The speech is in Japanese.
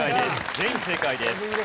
全員正解です。